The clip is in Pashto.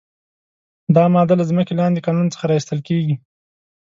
دا ماده له ځمکې لاندې کانونو څخه را ایستل کیږي.